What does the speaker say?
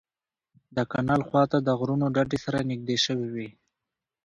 د کانال خوا ته د غرونو ډډې سره نږدې شوې وې.